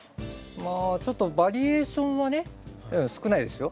まあちょっとバリエーションはね少ないですよ。